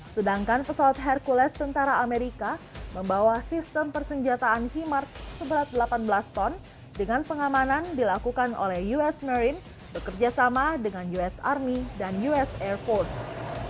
sedangkan pesawat hercules tentara amerika membawa sistem persenjataan hi mars seberat delapan belas ton dengan pengamanan dilakukan oleh us marine bekerja sama dengan us army dan us air force